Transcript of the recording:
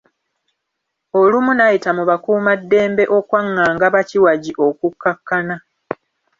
Olumu n’ayita mu bakuumaddembe okwanganga bakiwagi okukkakkana.